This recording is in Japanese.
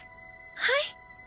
はい！